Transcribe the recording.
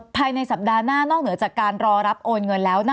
ภายในสัปดาห์หน้านอกเหนือจากการรอรับโอนเงินแล้ว